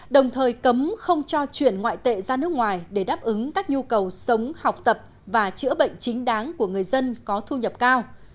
đồng thời cấm không cho chuyển ngoại tệ ra nước ngoài để đáp ứng các nhu cầu sống học tập và chữa bệnh chính đáng của người dân có thu nhập cao